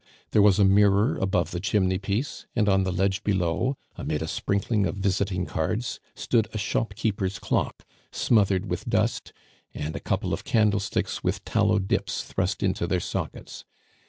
There was a mirror above the chimney piece, and on the ledge below, amid a sprinkling of visiting cards, stood a shopkeeper's clock, smothered with dust, and a couple of candlesticks with tallow dips thrust into their sockets.